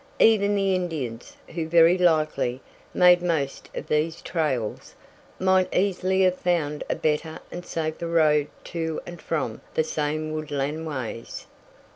Even the Indians, who very likely, made most of these trails, might easily have found a better and safer road to and from the same woodland ways."